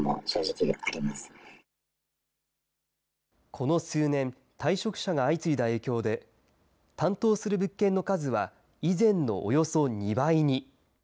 この数年、退職者が相次いだ影響で、担当する物件の数は以前のおよそ２倍に。